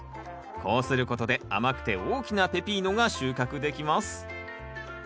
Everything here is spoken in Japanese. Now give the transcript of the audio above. こうすることで甘くて大きなペピーノが収穫できます。